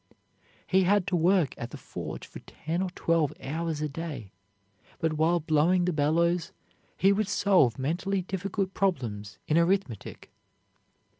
He had to work at the forge for ten or twelve hours a day; but while blowing the bellows, he would solve mentally difficult problems in arithmetic.